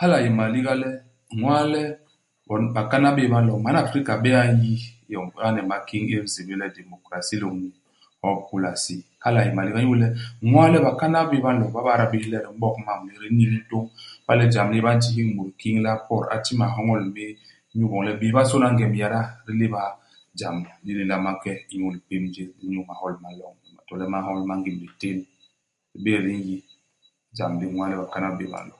Hala a yé maliga le inwaa le bon bakana ba bé'é ba nlo, man Afrika a bé'é n'yi iyom i ane i makiñ i di nsébél le démocratie lôñni hop u Pulasi. Hala a yé maliga inyu le, inwaa le bakana ba bé'é ba nlo ba biada bés le di m'bok mam més, di n'niñ ntôñ. Iba le jam li yé, ba nti hiki mut kiñ le a pot, a ti mahoñol méé, inyu iboñ le béébasôna ngem yada, di léba jam li li nlama ke inyu lipém jés ni inyu mahol ma loñ, to le ma ma ngim liten. Di bé'é di n'yi ijam li inwaa le bakana ba bé'é ba nlo.